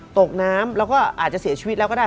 ตกน้ำแล้วก็อาจจะเสียชีวิตแล้วก็ได้